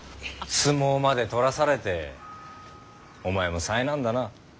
相撲まで取らされてお前も災難だな。